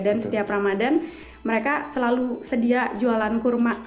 dan setiap ramadhan mereka selalu sedia jualan kurma